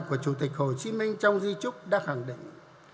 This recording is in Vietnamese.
của chủ tịch hồ chí minh trong di trúc đã khẳng định